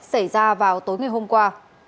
xảy ra vào tối ngày hôm qua